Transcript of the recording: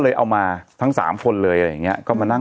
เยอะมากเลยอ่ะ